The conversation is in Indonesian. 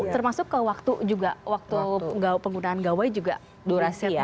termasuk waktu juga waktu penggunaan gawai juga durasi ya